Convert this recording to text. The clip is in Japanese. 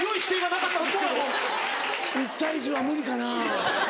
１対１０は無理かな。